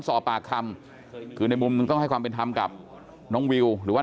สอบปากคำคือในมุมนึงต้องให้ความเป็นธรรมกับน้องวิวหรือว่า